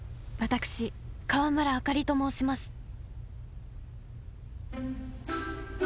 私川村あかりと申します